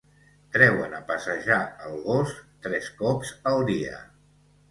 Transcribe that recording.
Treuen a passejar el gos tres cops al dia